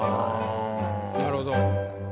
なるほど。